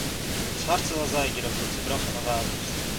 דאָס האַרץ איז אַ זייגער, אָבער מיט צעבראָכענע ווײַזערס.